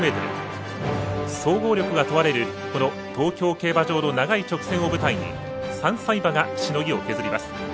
総合力が問われる東京競馬場の長い直線を舞台に３歳馬がしのぎを削ります。